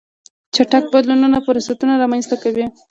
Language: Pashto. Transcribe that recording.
چټک بدلونونه فرصتونه رامنځته کوي.